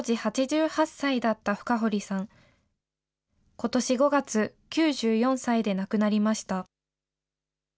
ことし５月、９４歳で亡くなりました。